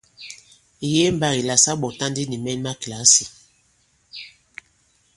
Mɛ̀ yege mbagì la sa ɓɔ̀ta ndi nì mɛn ma kìlasì.